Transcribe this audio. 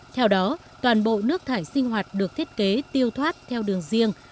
theo đó toàn bộ nước thải sinh hoạt được thiết kế tiêu thoát theo đường riêng